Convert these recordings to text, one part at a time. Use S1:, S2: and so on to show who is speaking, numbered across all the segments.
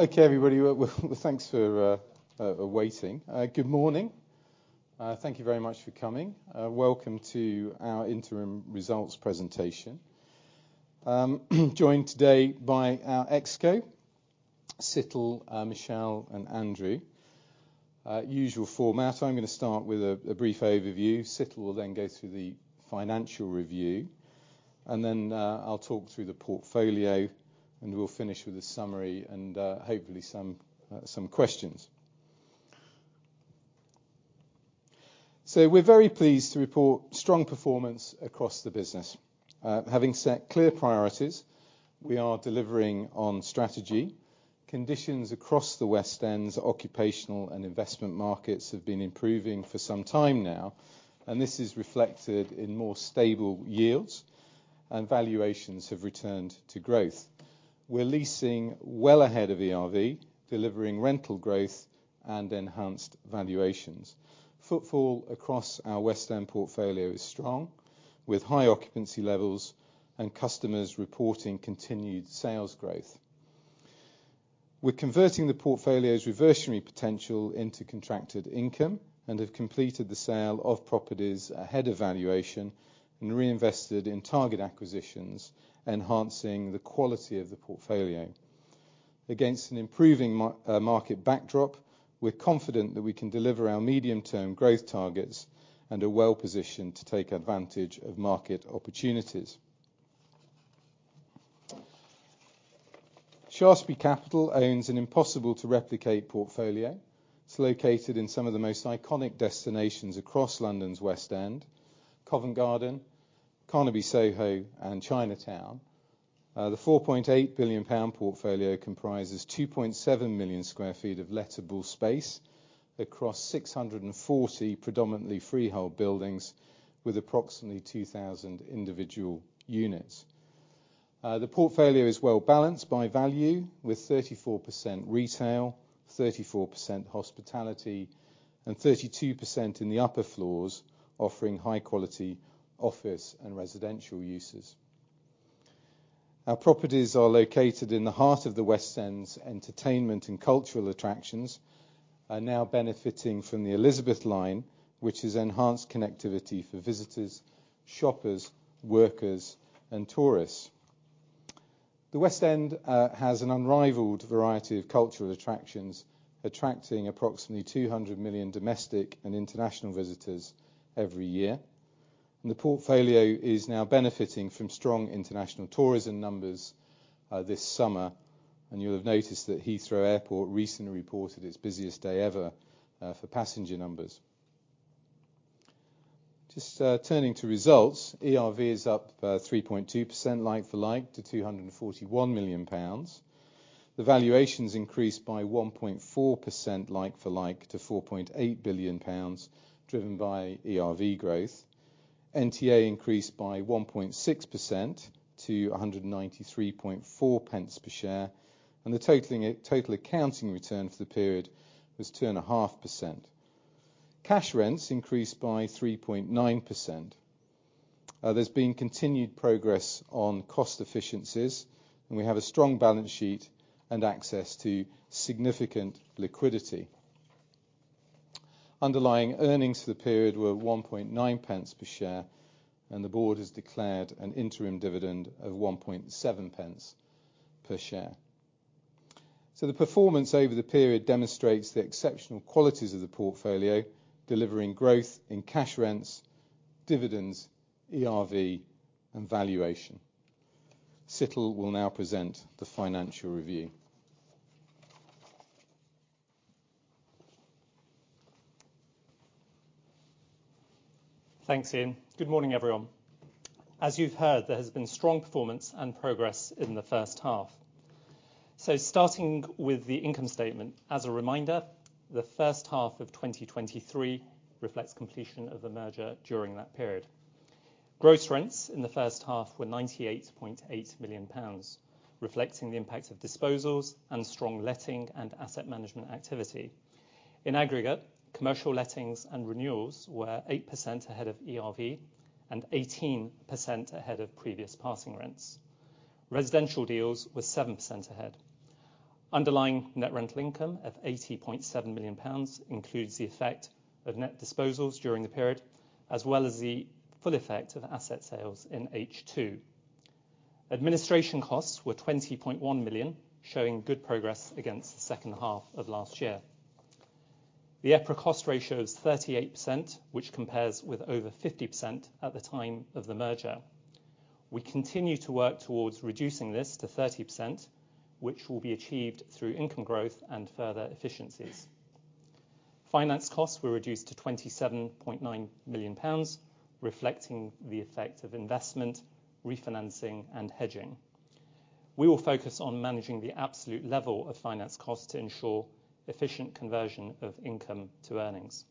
S1: Okay, everybody, well, thanks for waiting. Good morning. Thank you very much for coming. Welcome to our interim results presentation. Joined today by our ExCo, Situl, Michelle, and Andrew. Usual format, I'm gonna start with a brief overview. Situl will then go through the financial review, and then I'll talk through the portfolio, and we'll finish with a summary and hopefully some questions. So we're very pleased to report strong performance across the business. Having set clear priorities, we are delivering on strategy. Conditions across the West End's occupational and investment markets have been improving for some time now, and this is reflected in more stable yields, and valuations have returned to growth. We're leasing well ahead of ERV, delivering rental growth and enhanced valuations. Footfall across our West End portfolio is strong, with high occupancy levels and customers reporting continued sales growth. We're converting the portfolio's reversionary potential into contracted income and have completed the sale of properties ahead of valuation and reinvested in target acquisitions, enhancing the quality of the portfolio. Against an improving market backdrop, we're confident that we can deliver our medium-term growth targets and are well positioned to take advantage of market opportunities. Shaftesbury Capital owns an impossible to replicate portfolio. It's located in some of the most iconic destinations across London's West End, Covent Garden, Carnaby, Soho, and Chinatown. The 4.8 billion pound portfolio comprises 2.7 million sq ft of lettable space across 640 predominantly freehold buildings with approximately 2,000 individual units. The portfolio is well-balanced by value with 34% retail, 34% hospitality, and 32% in the upper floors, offering high-quality office and residential uses. Our properties are located in the heart of the West End's entertainment and cultural attractions, are now benefiting from the Elizabeth line, which has enhanced connectivity for visitors, shoppers, workers, and tourists. The West End has an unrivaled variety of cultural attractions, attracting approximately 200 million domestic and international visitors every year. The portfolio is now benefiting from strong international tourism numbers this summer, and you'll have noticed that Heathrow Airport recently reported its busiest day ever for passenger numbers. Just turning to results, ERV is up 3.2% like-for-like to 241 million pounds. The valuations increased by 1.4% like-for-like to 4.8 billion pounds, driven by ERV growth. NTA increased by 1.6% to 1.934 per share, and the total accounting return for the period was 2.5%. Cash rents increased by 3.9%. There's been continued progress on cost efficiencies, and we have a strong balance sheet and access to significant liquidity. Underlying earnings for the period were 1.9 pence per share, and the board has declared an interim dividend of 1.7 pence per share. The performance over the period demonstrates the exceptional qualities of the portfolio, delivering growth in cash rents, dividends, ERV, and valuation. Situl will now present the financial review.
S2: Thanks, Ian. Good morning, everyone. As you've heard, there has been strong performance and progress in the first half. Starting with the income statement, as a reminder, the first half of 2023 reflects completion of the merger during that period. Gross rents in the first half were 98.8 million pounds, reflecting the impact of disposals and strong letting and asset management activity. In aggregate, commercial lettings and renewals were 8% ahead of ERV and 18% ahead of previous passing rents. Residential deals were 7% ahead. Underlying net rental income of 80.7 million pounds includes the effect of net disposals during the period, as well as the full effect of asset sales in H2. Administration costs were 20.1 million, showing good progress against the second half of last year. The EPRA cost ratio is 38%, which compares with over 50% at the time of the merger. We continue to work towards reducing this to 30%, which will be achieved through income growth and further efficiencies. Finance costs were reduced to 27.9 million pounds, reflecting the effect of investment, refinancing, and hedging. We will focus on managing the absolute level of finance costs to ensure efficient conversion of income to earnings.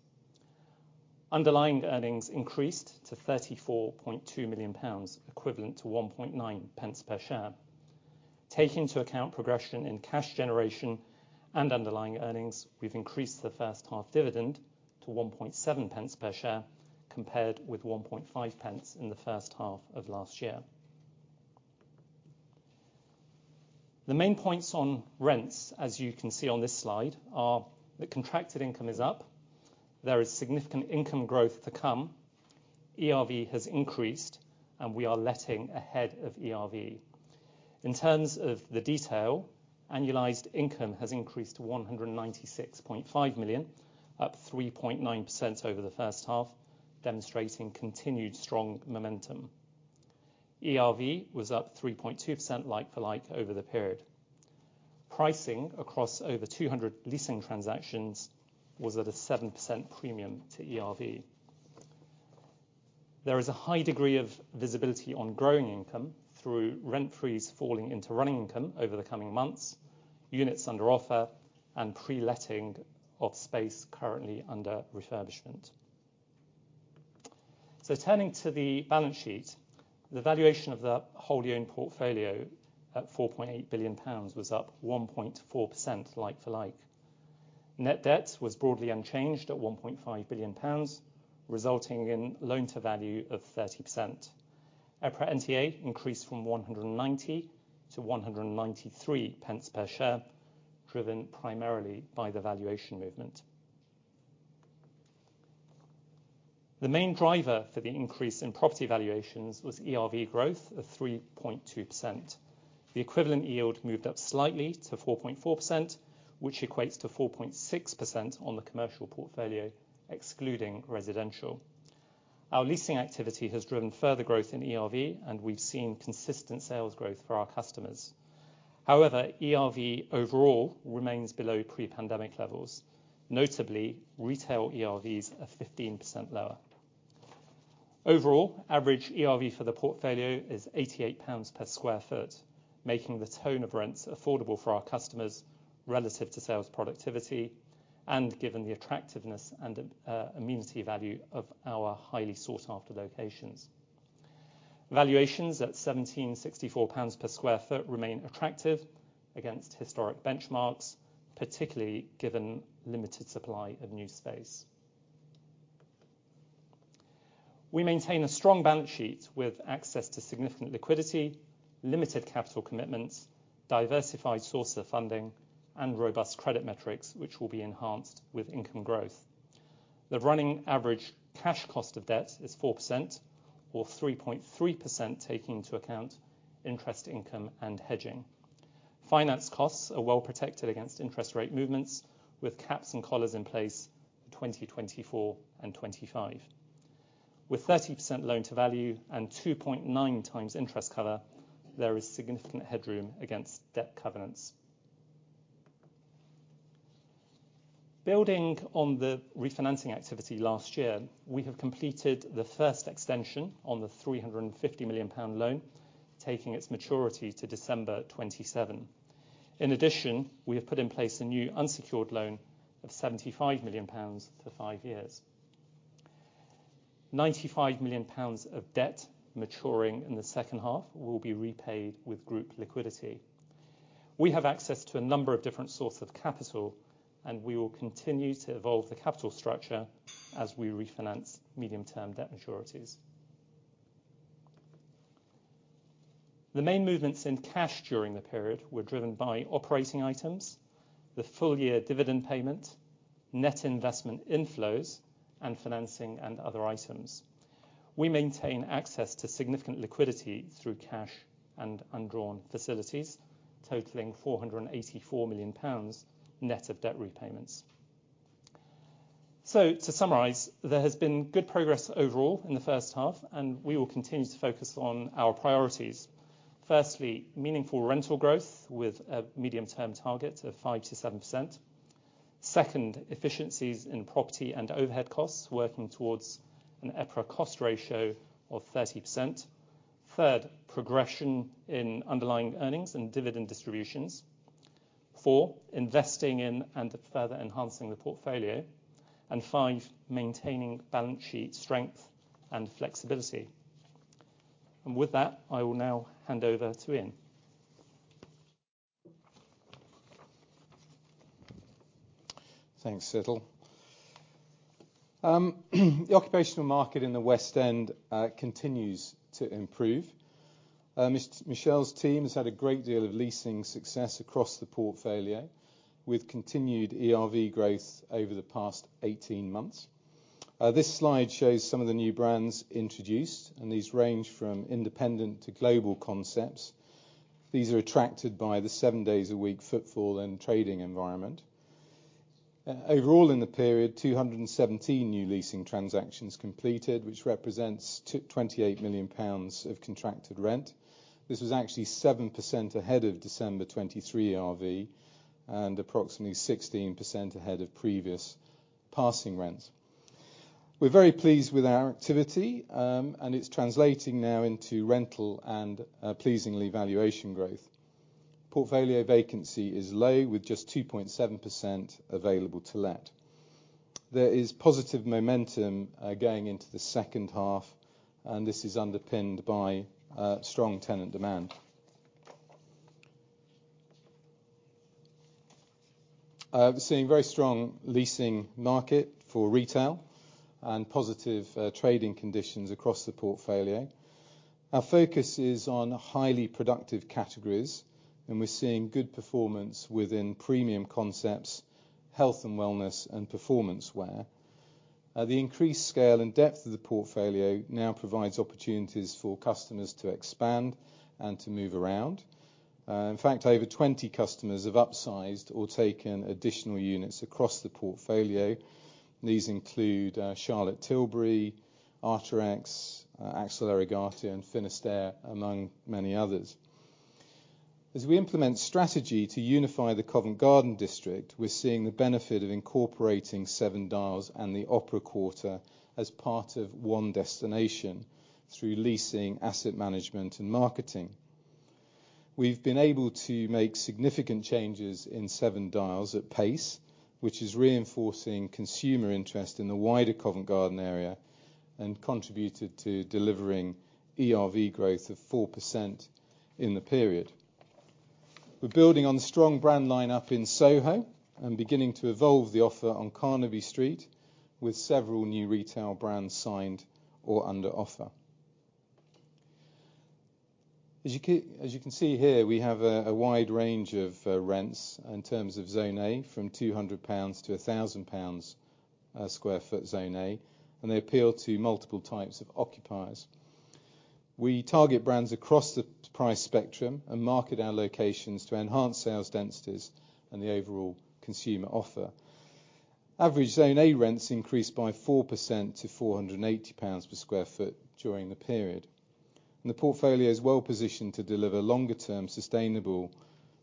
S2: Underlying earnings increased to 34.2 million pounds, equivalent to 0.019 per share. Taking into account progression in cash generation and underlying earnings, we've increased the first half dividend to 0.017 per share, compared with 0.015 per share in the first half of last year. The main points on rents, as you can see on this slide, are the contracted income is up, there is significant income growth to come, ERV has increased, and we are letting ahead of ERV. In terms of the detail, annualized income has increased to 196.5 million, up 3.9% over the first half, demonstrating continued strong momentum. ERV was up 3.2% like for like over the period. Pricing across over 200 leasing transactions was at a 7% premium to ERV. There is a high degree of visibility on growing income through rent freeze, falling into running income over the coming months, units under offer, and pre-letting of space currently under refurbishment. So turning to the balance sheet, the valuation of the wholly owned portfolio at 4.8 billion pounds was up 1.4% like for like. Net debt was broadly unchanged at 1.5 billion pounds, resulting in loan-to-value of 30%. EPRA NTA increased from 190 - 193 pence per share, driven primarily by the valuation movement. The main driver for the increase in property valuations was ERV growth of 3.2%. The equivalent yield moved up slightly to 4.4%, which equates to 4.6% on the commercial portfolio, excluding residential. Our leasing activity has driven further growth in ERV, and we've seen consistent sales growth for our customers. However, ERV overall remains below pre-pandemic levels, notably, retail ERVs are 15% lower. Overall, average ERV for the portfolio is 88 pounds per sq ft, making the tone of rents affordable for our customers, relative to sales productivity, and given the attractiveness and immunity value of our highly sought-after locations. Valuations at 1,764 pounds per sq ft remain attractive against historic benchmarks, particularly given limited supply of new space. We maintain a strong balance sheet with access to significant liquidity, limited capital commitments, diversified source of funding, and robust credit metrics, which will be enhanced with income growth. The running average cash cost of debt is 4%, or 3.3%, taking into account interest income and hedging. Finance costs are well protected against interest rate movements, with caps and collars in place in 2020, 2024, and 2025. With 30% loan-to-value and 2.9x interest cover, there is significant headroom against debt covenants. Building on the refinancing activity last year, we have completed the first extension on the 350 million pound loan, taking its maturity to December 2027. In addition, we have put in place a new unsecured loan of 75 million pounds for five years. 95 million pounds of debt maturing in the second half will be repaid with group liquidity. We have access to a number of different source of capital, and we will continue to evolve the capital structure as we refinance medium-term debt maturities. The main movements in cash during the period were driven by operating items, the full year dividend payment, net investment inflows, and financing and other items. We maintain access to significant liquidity through cash and undrawn facilities, totaling 484 million pounds, net of debt repayments. So to summarize, there has been good progress overall in the first half, and we will continue to focus on our priorities. Firstly, meaningful rental growth with a medium-term target of 5%-7%. Second, efficiencies in property and overhead costs, working towards an EPRA cost ratio of 30%. Third, progression in underlying earnings and dividend distributions. Four, investing in and further enhancing the portfolio. Five, maintaining balance sheet strength and flexibility. With that, I will now hand over to Ian.
S1: Thanks, Situl. The occupational market in the West End continues to improve. Michelle's team has had a great deal of leasing success across the portfolio, with continued ERV growth over the past 18 months. This slide shows some of the new brands introduced, and these range from independent to global concepts. These are attracted by the seven days a week footfall and trading environment. Overall, in the period, 217 new leasing transactions completed, which represents 28 million pounds of contracted rent. This was actually 7% ahead of December 2023 ERV and approximately 16% ahead of previous passing rents. We're very pleased with our activity, and it's translating now into rental and, pleasingly valuation growth. Portfolio vacancy is low, with just 2.7% available to let. There is positive momentum, going into the second half, and this is underpinned by, strong tenant demand. We're seeing very strong leasing market for retail and positive, trading conditions across the portfolio. Our focus is on highly productive categories, and we're seeing good performance within premium concepts, health and wellness, and performance wear. The increased scale and depth of the portfolio now provides opportunities for customers to expand and to move around. In fact, over 20 customers have upsized or taken additional units across the portfolio, and these include, Charlotte Tilbury, Arc'teryx, Axel Arigato, and Finisterre, among many others. As we implement strategy to unify the Covent Garden district, we're seeing the benefit of incorporating Seven Dials and the Opera Quarter as part of one destination through leasing, asset management, and marketing. We've been able to make significant changes in Seven Dials at pace, which is reinforcing consumer interest in the wider Covent Garden area, and contributed to delivering ERV growth of 4% in the period. We're building on the strong brand lineup in Soho and beginning to evolve the offer on Carnaby Street, with several new retail brands signed or under offer. As you can see here, we have a wide range of rents in terms of Zone A, from 200-1,000 pounds sq ft Zone A, and they appeal to multiple types of occupiers. We target brands across the price spectrum and market our locations to enhance sales densities and the overall consumer offer. Average Zone A rents increased by 4% to 480 pounds per sq ft during the period, and the portfolio is well-positioned to deliver longer-term, sustainable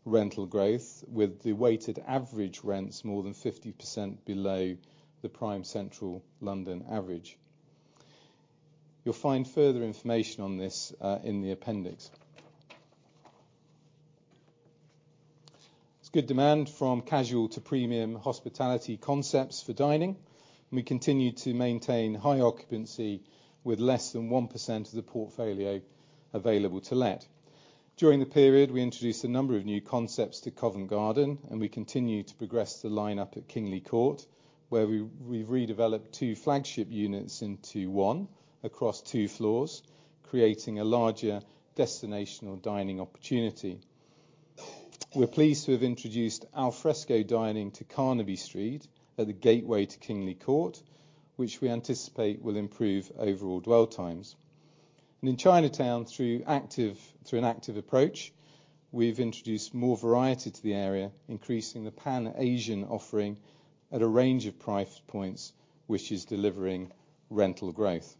S1: rental growth, with the weighted average rents more than 50% below the prime central London average. You'll find further information on this in the appendix. There's good demand from casual to premium hospitality concepts for dining, and we continue to maintain high occupancy with less than 1% of the portfolio available to let. During the period, we introduced a number of new concepts to Covent Garden, and we continue to progress the lineup at Kingly Court, where we've redeveloped two flagship units into one across two floors, creating a larger destinational dining opportunity. We're pleased to have introduced al fresco dining to Carnaby Street at the gateway to Kingly Court, which we anticipate will improve overall dwell times. And in Chinatown, through active. Through an active approach, we've introduced more variety to the area, increasing the Pan Asian offering at a range of price points, which is delivering rental growth.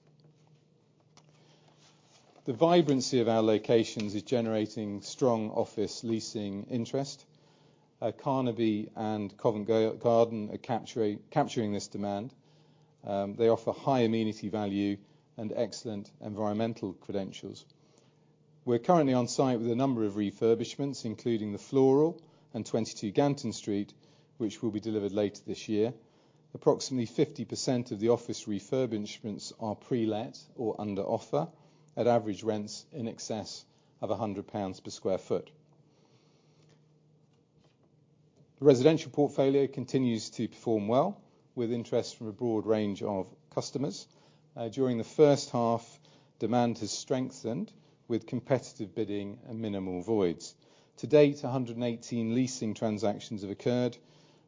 S1: The vibrancy of our locations is generating strong office leasing interest. Carnaby and Covent Garden are capturing this demand. They offer high amenity value and excellent environmental credentials. We're currently on site with a number of refurbishments, including The Floral and 22 Ganton Street, which will be delivered later this year. Approximately 50% of the office refurbishments are pre-let or under offer, at average rents in excess of 100 pounds per sq ft. The residential portfolio continues to perform well, with interest from a broad range of customers. During the first half, demand has strengthened, with competitive bidding and minimal voids. To date, 118 leasing transactions have occurred,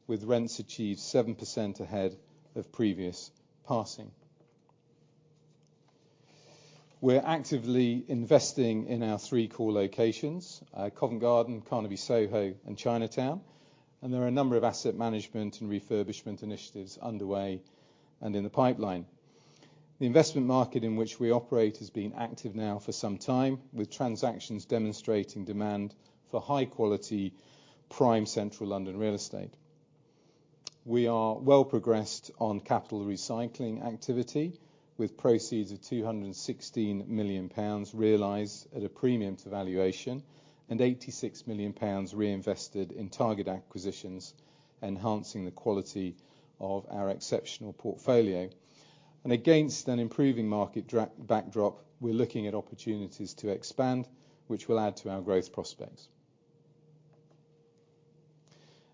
S1: with rents achieved 7% ahead of previous passing. We're actively investing in our three core locations, Covent Garden, Carnaby, Soho, and Chinatown, and there are a number of asset management and refurbishment initiatives underway and in the pipeline. The investment market in which we operate has been active now for some time, with transactions demonstrating demand for high-quality, prime central London real estate. We are well progressed on capital recycling activity, with proceeds of 216 million pounds realized at a premium to valuation, and 86 million pounds reinvested in target acquisitions, enhancing the quality of our exceptional portfolio. Against an improving market backdrop, we're looking at opportunities to expand, which will add to our growth prospects.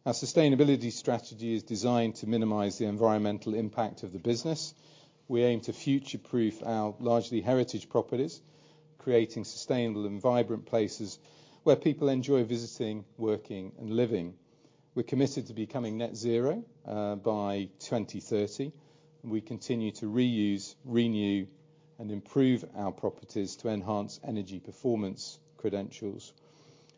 S1: Our sustainability strategy is designed to minimize the environmental impact of the business. We aim to future-proof our largely heritage properties, creating sustainable and vibrant places where people enjoy visiting, working, and living. We're committed to becoming net zero by 2030, and we continue to reuse, renew, and improve our properties to enhance energy performance credentials.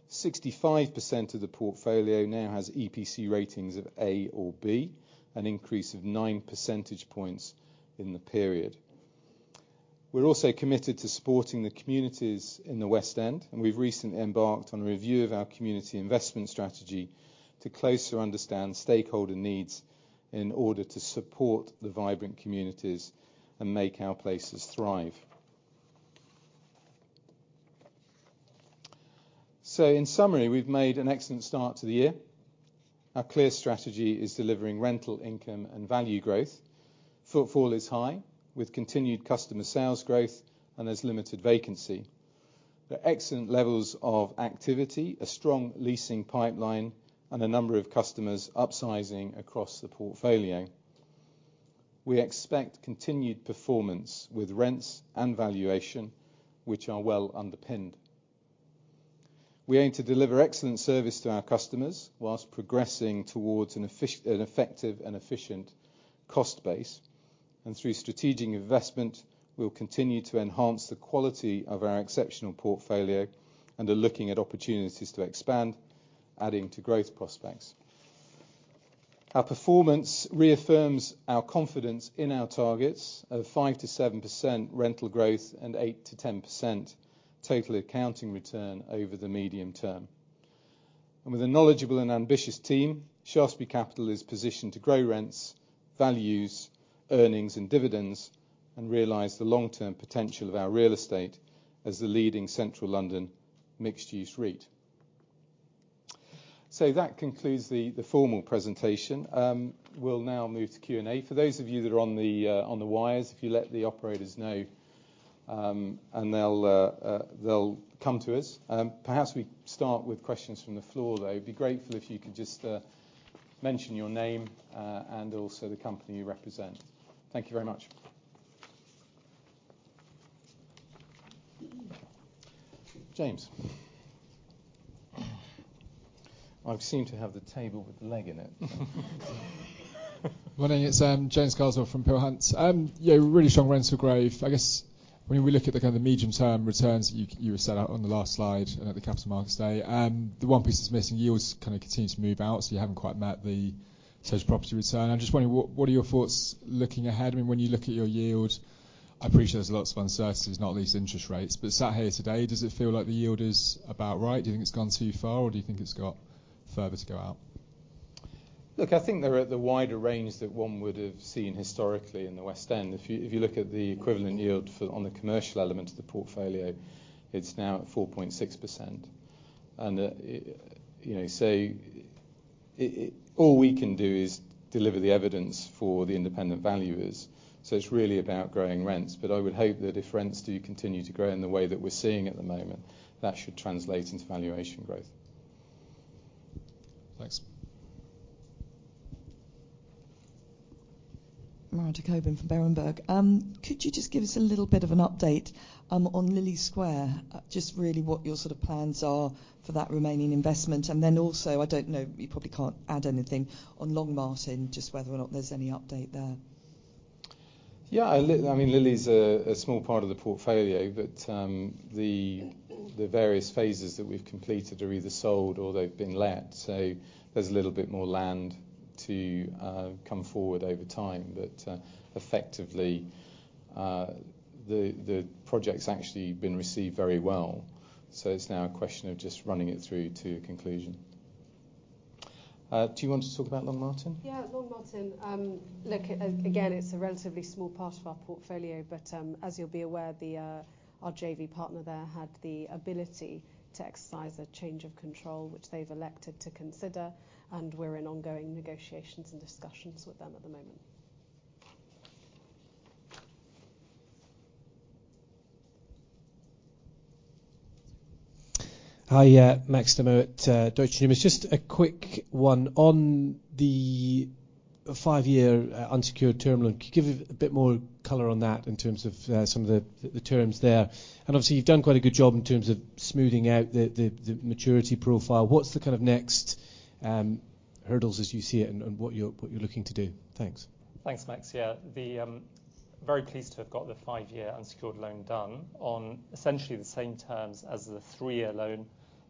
S1: 65% of the portfolio now has EPC ratings of A or B, an increase of 9 percentage points in the period. We're also committed to supporting the communities in the West End, and we've recently embarked on a review of our community investment strategy to closer understand stakeholder needs in order to support the vibrant communities and make our places thrive. So in summary, we've made an excellent start to the year. Our clear strategy is delivering rental income and value growth. Footfall is high, with continued customer sales growth, and there's limited vacancy. There are excellent levels of activity, a strong leasing pipeline, and a number of customers upsizing across the portfolio. We expect continued performance with rents and valuation, which are well underpinned. We aim to deliver excellent service to our customers while progressing towards an effective and efficient cost base, and through strategic investment, we'll continue to enhance the quality of our exceptional portfolio and are looking at opportunities to expand, adding to growth prospects. Our performance reaffirms our confidence in our targets of 5%-7% rental growth and 8%-10% total accounting return over the medium term. With a knowledgeable and ambitious team, Shaftesbury Capital is positioned to grow rents, values, earnings, and dividends, and realize the long-term potential of our real estate as the leading central London mixed-use REIT. That concludes the formal presentation. We'll now move to Q&A. For those of you that are on the wires, if you let the operators know, and they'll come to us. Perhaps we start with questions from the floor, though. Be grateful if you could just mention your name and also the company you represent. Thank you very much. James? I seem to have the table with the leg in it.
S3: Morning, it's James Carswell from Peel Hunt. Yeah, really strong rental growth. I guess, when we look at the kind of medium-term returns that you had set out on the last slide at the capital markets day, the one piece that's missing, yields kind of continue to move out, so you haven't quite met the search property return. I'm just wondering, what are your thoughts looking ahead? I mean, when you look at your yield, I appreciate there's lots of uncertainties, not least interest rates, but sat here today, does it feel like the yield is about right? Do you think it's gone too far, or do you think it's got further to go out?
S1: Look, I think they're at the wider range that one would have seen historically in the West End. If you look at the equivalent yield for, on the commercial element of the portfolio, it's now at 4.6%. And, you know, so all we can do is deliver the evidence for the independent valuers, so it's really about growing rents. But I would hope that if rents do continue to grow in the way that we're seeing at the moment, that should translate into valuation growth.
S3: Thanks.
S4: Miranda Cockburn from Berenberg. Could you just give us a little bit of an update on Lillie Square? Just really what your sort of plans are for that remaining investment. And then also, I don't know, you probably can't add anything on Longmartin, just whether or not there's any update there.
S1: Yeah, I mean, Lillie's a small part of the portfolio, but the various phases that we've completed are either sold or they've been let. So there's a little bit more land to come forward over time, but effectively the project's actually been received very well, so it's now a question of just running it through to a conclusion. Do you want to talk about Longmartin?
S5: Yeah, Longmartin, look, again, it's a relatively small part of our portfolio, but, as you'll be aware, the, our JV partner there had the ability to exercise a change of control, which they've elected to consider, and we're in ongoing negotiations and discussions with them at the moment.
S6: Hi, Max Nimmo at Deutsche Bank. Just a quick one. On the five-year unsecured term loan, could you give a bit more color on that in terms of some of the terms there? And obviously, you've done quite a good job in terms of smoothing out the maturity profile. What's the kind of next hurdles as you see it and what you're looking to do? Thanks.
S2: Thanks, Max. Yeah, very pleased to have got the five-year unsecured loan done on essentially the same terms as the three-year loan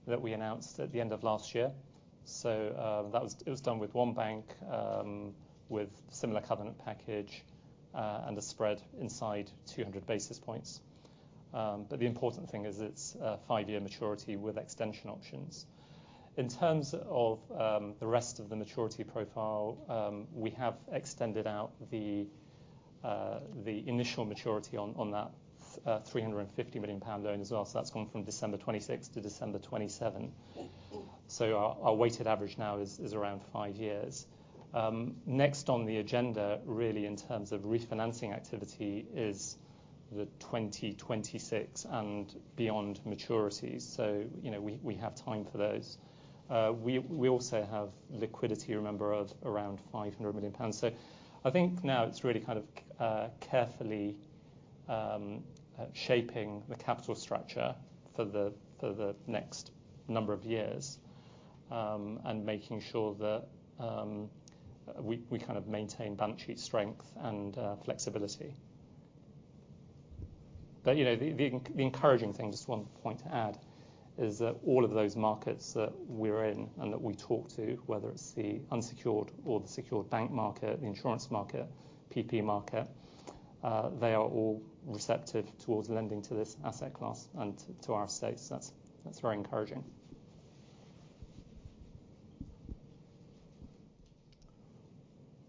S2: that we announced at the end of last year. So, that was, it was done with one bank, with similar covenant package, and a spread inside 200 basis points. But the important thing is it's a five-year maturity with extension options. In terms of the rest of the maturity profile, we have extended out the initial maturity on that 350 million pound loan as well. So that's gone from December 2026 to December 2027. So our weighted average now is around five years. Next on the agenda, really in terms of refinancing activity, is the 2026 and beyond maturities, so, you know, we have time for those. We also have liquidity, remember, of around 500 million pounds. So I think now it's really kind of carefully shaping the capital structure for the next number of years and making sure that we kind of maintain balance sheet strength and flexibility. But you know, the encouraging thing, just one point to add, is that all of those markets that we're in and that we talk to, whether it's the unsecured or the secured bank market, the insurance market, PP market, they are all receptive towards lending to this asset class and to our stakes. That's very encouraging.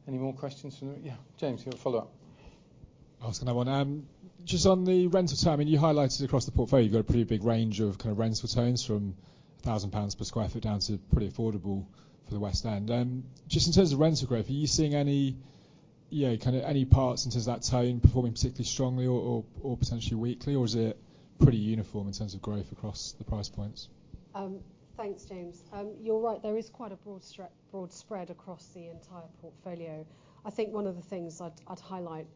S1: Any more questions from yeah, James, you have a follow-up?
S3: Ask another one. Just on the rent term, and you highlighted across the portfolio, you've got a pretty big range of kind of rental terms from 1,000 pounds per sq ft, down to pretty affordable for the West End. Just in terms of rental growth, are you seeing any, yeah, kind of any parts in terms of that tone performing particularly strongly or, or, or potentially weakly, or is it pretty uniform in terms of growth across the price points?
S5: Thanks, James. You're right, there is quite a broad spread across the entire portfolio. I think one of the things I'd highlight,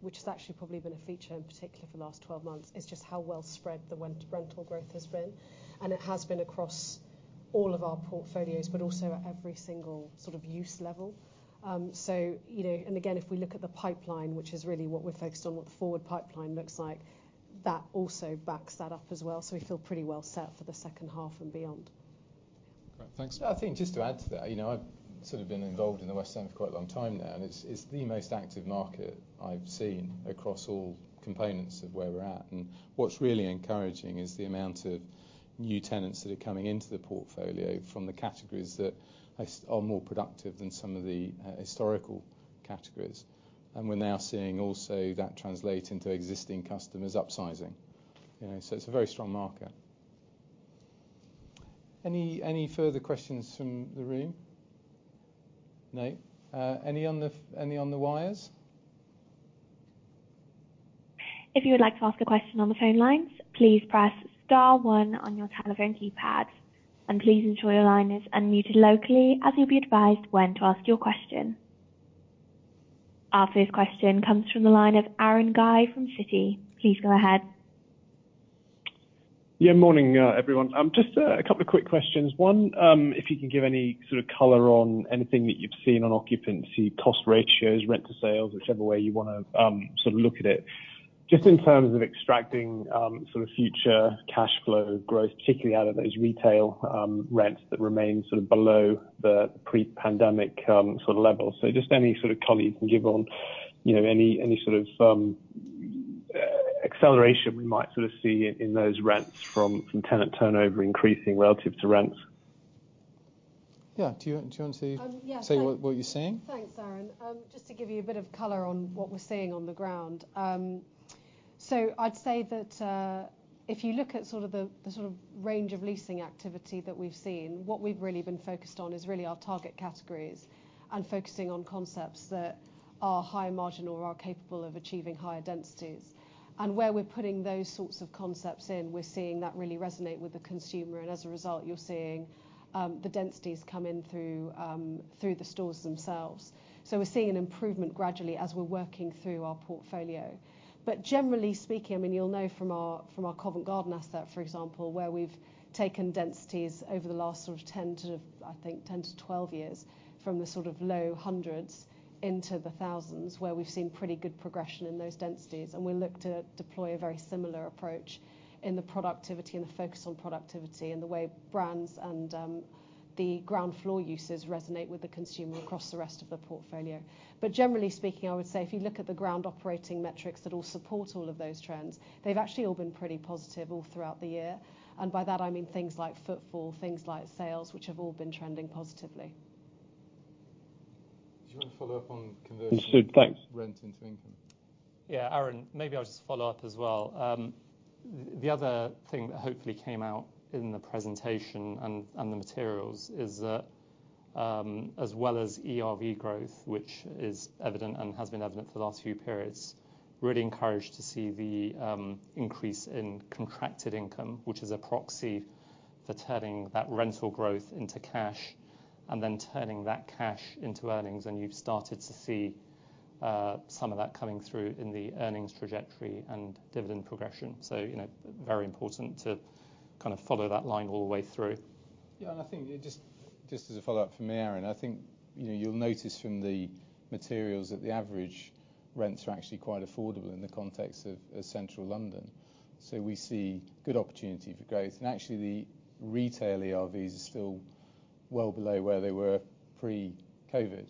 S5: which has actually probably been a feature in particular for the last 12 months, is just how well spread the rent, rental growth has been. And it has been across all of our portfolios, but also at every single sort of use level. So, you know, and again, if we look at the pipeline, which is really what we're focused on, what the forward pipeline looks like, that also backs that up as well. So we feel pretty well set for the second half and beyond.
S3: Great. Thanks.
S1: I think just to add to that, you know, I've sort of been involved in the West End for quite a long time now, and it's, it's the most active market I've seen across all components of where we're at. And what's really encouraging is the amount of new tenants that are coming into the portfolio from the categories that are more productive than some of the historical categories. And we're now seeing also that translate into existing customers upsizing, you know, so it's a very strong market. Any further questions from the room? No. Any on the wires?
S7: If you would like to ask a question on the phone lines, please press star one on your telephone keypad, and please ensure your line is unmuted locally, as you'll be advised when to ask your question. Our first question comes from the line of Aaron Guy from Citi. Please go ahead.
S8: Yeah, morning, everyone. Just a couple of quick questions. One, if you can give any sort of color on anything that you've seen on occupancy cost ratios, rent to sales, whichever way you wanna sort of look at it. Just in terms of extracting sort of future cash flow growth, particularly out of those retail rents that remain sort of below the pre-pandemic sort of level. So just any sort of color you can give on, you know, any sort of acceleration we might sort of see in those rents from tenant turnover increasing relative to rents?
S1: Yeah. Do you want to say.
S5: Um, yeah.
S1: Say what, what you're seeing?
S5: Thanks, Aaron. Just to give you a bit of color on what we're seeing on the ground, so I'd say that, if you look at sort of the sort of range of leasing activity that we've seen, what we've really been focused on is really our target categories, and focusing on concepts that are higher margin or are capable of achieving higher densities. And where we're putting those sorts of concepts in, we're seeing that really resonate with the consumer, and as a result, you're seeing the densities come in through the stores themselves. So we're seeing an improvement gradually as we're working through our portfolio. But generally speaking, I mean, you'll know from our, from our Covent Garden asset, for example, where we've taken densities over the last sort of 10 to, I think, 10 - 12 years, from the sort of low hundreds into the thousands, where we've seen pretty good progression in those densities. And we look to deploy a very similar approach in the productivity and the focus on productivity, and the way brands and the ground floor uses resonate with the consumer across the rest of the portfolio. But generally speaking, I would say if you look at the ground operating metrics that all support all of those trends, they've actually all been pretty positive all throughout the year. And by that, I mean things like footfall, things like sales, which have all been trending positively.
S1: Do you wanna follow up on conversion?
S2: Sure. Thanks
S1: Rent into income?
S2: Yeah, Aaron, maybe I'll just follow up as well. The other thing that hopefully came out in the presentation and the materials is that, as well as ERV growth, which is evident and has been evident for the last few periods, really encouraged to see the increase in contracted income, which is a proxy for turning that rental growth into cash, and then turning that cash into earnings. And you've started to see some of that coming through in the earnings trajectory and dividend progression. So, you know, very important to kind of follow that line all the way through.
S1: Yeah, and I think just as a follow-up from Aaron, I think, you know, you'll notice from the materials that the average rents are actually quite affordable in the context of central London. So we see good opportunity for growth. And actually, the retail ERVs are still well below where they were pre-COVID.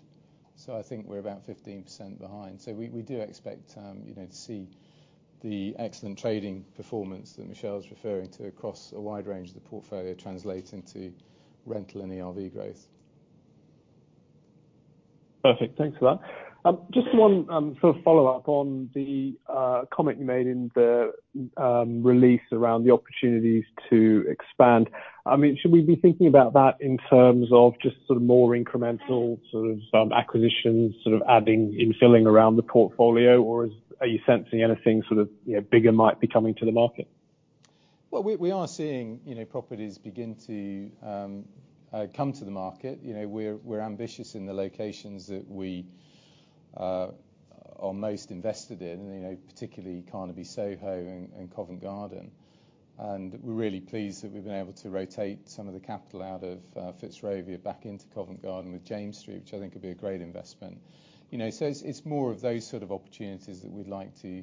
S1: So I think we're about 15% behind, so we do expect, you know, to see the excellent trading performance that Michelle is referring to across a wide range of the portfolio translating to rental and ERV growth.
S8: Perfect. Thanks for that. Just one sort of follow-up on the comment you made in the release around the opportunities to expand. I mean, should we be thinking about that in terms of just sort of more incremental, sort of, acquisitions, sort of adding infilling around the portfolio, or are you sensing anything sort of, you know, bigger might be coming to the market?
S1: Well, we are seeing, you know, properties begin to come to the market. You know, we're ambitious in the locations that we are most invested in, and, you know, particularly Carnaby, Soho, and Covent Garden. And we're really pleased that we've been able to rotate some of the capital out of Fitzrovia back into Covent Garden with James Street, which I think will be a great investment. You know, so it's more of those sort of opportunities that we'd like to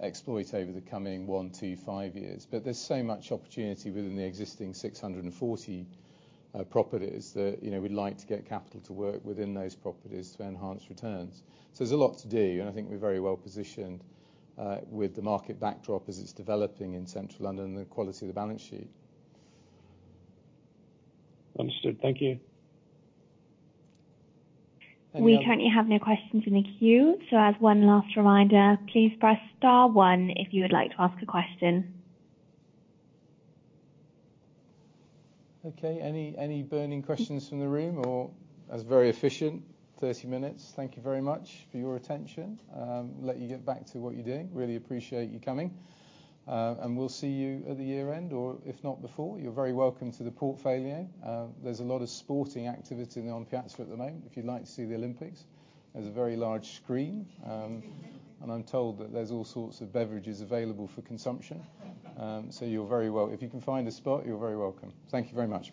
S1: exploit over the coming 1-5 years. But there's so much opportunity within the existing 640 properties that, you know, we'd like to get capital to work within those properties to enhance returns. So there's a lot to do, and I think we're very well positioned with the market backdrop as it's developing in central London and the quality of the balance sheet.
S8: Understood. Thank you.
S7: We currently have no questions in the queue. As one last reminder, please press star one if you would like to ask a question.
S1: Okay. Any burning questions from the room or. That's very efficient, 30 minutes. Thank you very much for your attention. Let you get back to what you're doing. Really appreciate you coming, and we'll see you at the year end, or if not before, you're very welcome to the portfolio. There's a lot of sporting activity in the piazza at the moment. If you'd like to see the Olympics, there's a very large screen, and I'm told that there's all sorts of beverages available for consumption. So if you can find a spot, you're very welcome. Thank you very much.